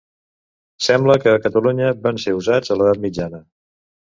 Sembla que a Catalunya van ser usats a l'edat mitjana.